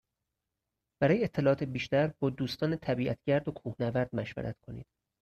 برای اطلاعات بیشتر با دوستان طبیعت گرد و کوهنورد مشورت کنید.